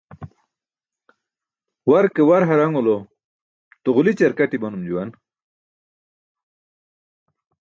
War ke war harṅulo tuġli ćarkat imanum juwan